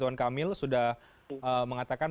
neng kamil sudah mengatakan